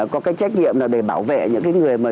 có cái trách nhiệm để bảo vệ những người mà